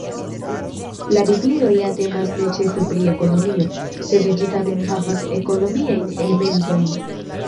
La biblio ja temas ne ĉefe pri ekonomio, sed ĝi tamen havas ekonomiajn elementojn.